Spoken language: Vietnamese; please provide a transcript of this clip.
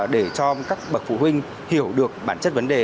để cho các bậc phụ huynh hiểu được bản chất vấn đề